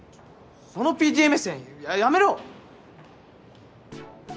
そのＰＴＡ目線ややめろ！